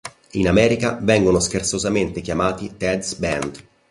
In America vengono scherzosamente chiamati "Ted's Band".